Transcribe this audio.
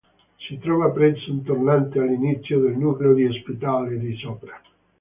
Si trova presso un tornante, all'inizio del nucleo di Ospitale di Sopra.